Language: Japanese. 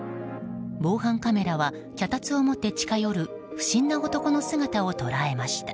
防犯カメラは脚立を持って近寄る不審な男の姿を捉えました。